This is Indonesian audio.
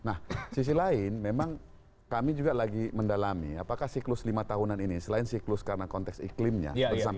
nah sisi lain memang kami juga lagi mendalami apakah siklus lima tahunan ini selain siklus karena konteks iklimnya